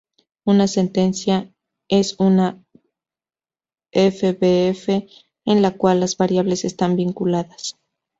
Una sentencia es una fbf en la cual las variables están vinculadas.